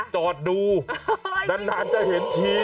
จอดดูนานจะเห็นที